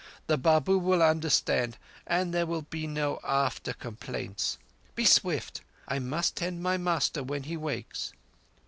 The Babu will understand, and there will be no after complaints. Be swift. I must tend my master when he wakes."